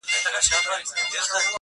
او ستا پر قبر به,